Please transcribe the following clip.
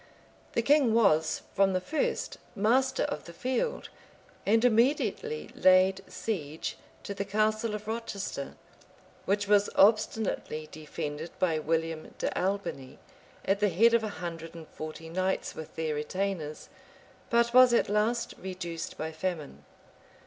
The king was, from the first, master of the field; and immediately laid siege to the castle of Rochester, which was obstinately defended by William de Albiney, at the head of a hundred and forty knights with their retainers, but was at last, reduced by famine.